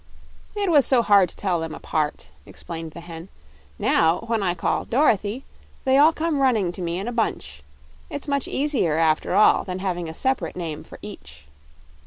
"It was so hard to tell them apart," explained the hen. "Now, when I call 'Dorothy,' they all come running to me in a bunch; it's much easier, after all, than having a separate name for each."